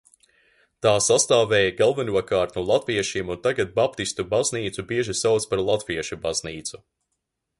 "Tā sastāvēja galvenokārt no latviešiem un tagad baptistu baznīcu bieži sauc par "latviešu baznīcu"."